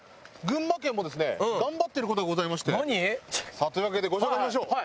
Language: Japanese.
さあというわけでご紹介しましょう。